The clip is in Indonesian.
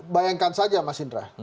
bayangkan saja mas indra